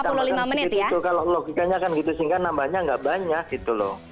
betul karena dia ditambahkan begitu kalau logikanya kan gitu sehingga nambahnya nggak banyak gitu loh